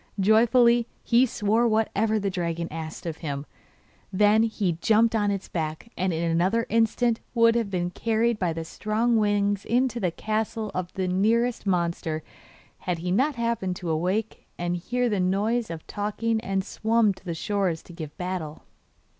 Joyfully he swore whatever the dragon asked of him; then he jumped on his back, and in another instant would have been carried by the strong wings into the castle if the nearest monsters had not happened to awake and hear the noise of talking and swum to the shore to give battle.